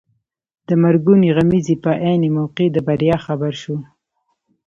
د مرګونې غمیزې په عین موقع د بریا خبر شو.